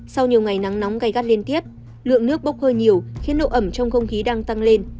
sau nhiều ngày nắng nóng gây gắt liên tiếp lượng nước bốc hơi nhiều khiến độ ẩm trong không khí đang tăng lên